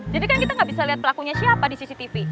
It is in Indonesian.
jadi kan kita nggak bisa liat pelakunya siapa di cctv